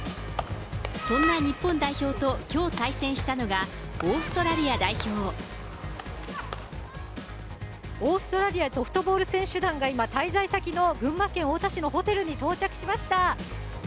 そんな日本代表ときょう対戦したオーストラリアソフトボール選手団が、今、滞在先の群馬県太田市のホテルに到着しました。